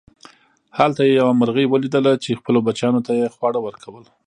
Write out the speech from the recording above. هلته یې یوه مرغۍ وليدله چې خپلو بچیانو ته یې خواړه ورکول.